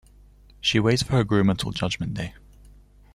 She waits for her groom until Judgment Day.